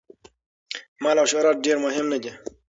مال او شهرت ډېر مهم نه دي.